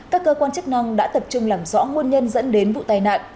các cơ quan chức năng đã tập trung làm rõ nguồn nhân dẫn đến vụ tai nạn